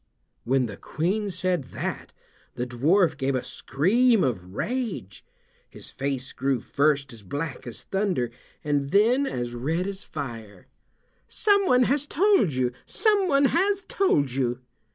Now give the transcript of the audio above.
When the Queen said that the dwarf gave a scream of rage. His face grew first as black as thunder, and then as red as fire. "Someone has told you! Someone has told you!"